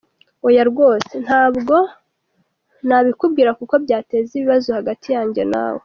Oya rwose, ntabwo nabikubwira kuko byateza ikibazo hagati yanjye nawe.